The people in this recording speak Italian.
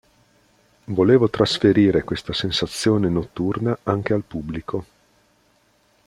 Volevo trasferire questa sensazione notturna anche al pubblico.